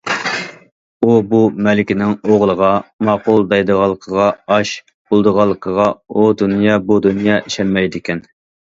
ئۇ بۇ مەلىكىنىڭ ئوغلىغا« ماقۇل» دەيدىغانلىقىغا،« ئاش» بولىدىغانلىقىغا ئۇ دۇنيا- بۇ دۇنيا ئىشەنمەيدىكەن.